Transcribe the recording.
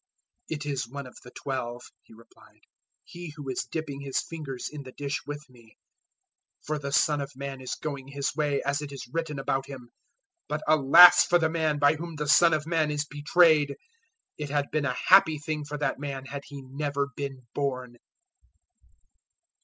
014:020 "It is one of the Twelve," He replied; "he who is dipping his fingers in the dish with me. 014:021 For the Son of Man is going His way as it is written about Him; but alas for the man by whom the Son of Man is betrayed! It had been a happy thing for that man, had he never been born."